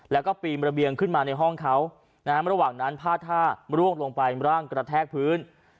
แล้วก็ปีนระเบียงขึ้นมาในห้องเขานะฮะระหว่างนั้นพาดท่าร่วงลงไปร่างกระแทกพื้น